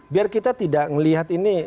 biar kita tidak melihat ini